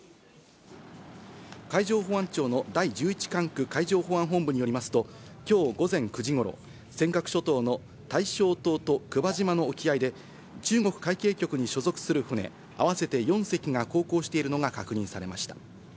海上保安庁の第十一管区海上保安本部によりますと今日午前９時頃、尖閣諸島の大正島と久場島の沖合で、中国海警局に所属する船、あわせて４隻が航行しているのが確認されました。